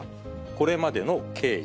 これまでの経緯。